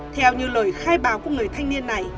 theo như lời khai báo của người thanh niên